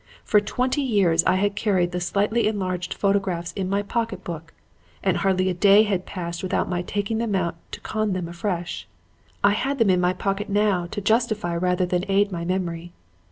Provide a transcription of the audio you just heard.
For twenty years I had carried the slightly enlarged photographs in my pocket book, and hardly a day had passed without my taking them out to con them afresh. I had them in my pocket now to justify rather than aid my memory.